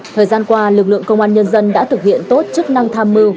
thời gian qua lực lượng công an nhân dân đã thực hiện tốt chức năng tham mưu